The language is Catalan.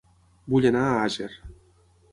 Vull anar a Àger